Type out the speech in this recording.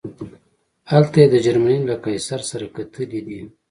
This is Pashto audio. هلته یې د جرمني له قیصر سره کتلي دي.